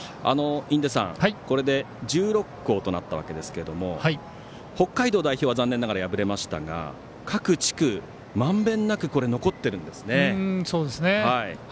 これで１６校となったわけですが北海道代表は残念ながら敗れましたが各地区、まんべんなく残ってるんですね。